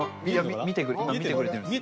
見てくれてるんですか？